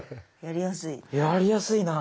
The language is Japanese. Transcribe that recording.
やりやすい。